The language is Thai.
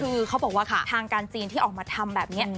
คือเขาบอกว่าทางการจีนที่ออกมาทำแบบนี้